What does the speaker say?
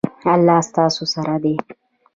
الله ستاسو سره دی